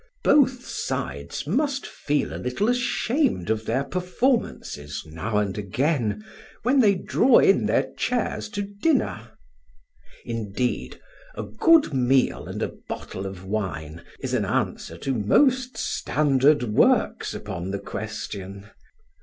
Both sides must feel a little ashamed of their performances now and again when they draw in their chairs to dinner. Indeed, a good meal and a bottle of wine is an answer to most standard works upon the question.